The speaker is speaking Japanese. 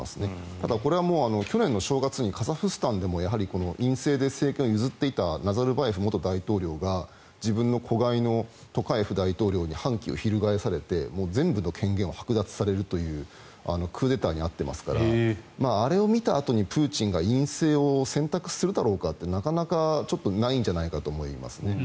ただ、これは去年の正月にカザフスタンでも院政で政権を譲っていたナザルバエフ元大統領が自分の小飼のトカエフ大統領に反旗を翻されて全部の権限をはく奪されるというクーデターに遭ってますからあれを見たあとにプーチンが院政を選択するだろうかとなかなかないんじゃないかと思います。